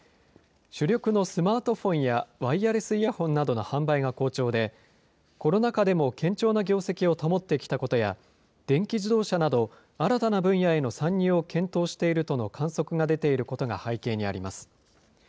主力のスマートフォンやワイヤレスイヤホンなどの販売が好調で、コロナ禍でも堅調な業績を保ってきたことや、電気自動車など、新たな分野への参入を検討しているとの観測が出ていることが背景にあります。